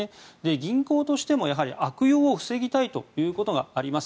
銀行としても悪用を防ぎたいということがあります。